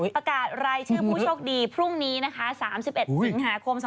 ประกาศรายชื่อผู้โชคดีพรุ่งนี้นะคะ๓๑สิงหาคม๒๕๖